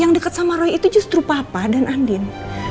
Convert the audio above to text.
yang dekat sama roy itu justru papa dan andin